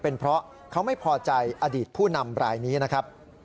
เป็นเพราะเขาไม่พอใจอดีตผู้นำรายนี้นะครับ